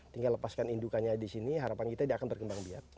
tinggal lepaskan indukannya di sini harapan kita dia akan berkembang biak